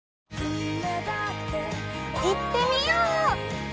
いってみよう！